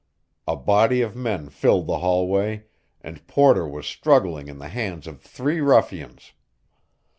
A body of men filled the hallway, and Porter was struggling in the hands of three ruffians.